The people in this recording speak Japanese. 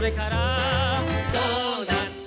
「どうなった？」